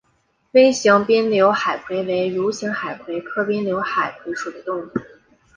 微型滨瘤海葵为蠕形海葵科滨瘤海葵属的动物。